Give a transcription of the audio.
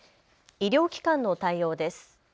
医療機関の対応です。